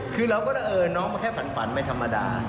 คือเราก็เออน้องมันแค่ฝันฝันไม่ธรรมดา